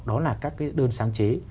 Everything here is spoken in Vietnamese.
đó là các cái đơn sáng chế